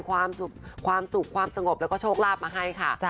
ความสุขความสงบแล้วก็โชคลาภมาให้ค่ะ